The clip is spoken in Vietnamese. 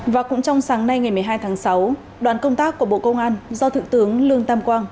và cũng trong sáng nay ngày một mươi hai tháng sáu đoàn công tác của bộ công an do thượng tướng lương tam quang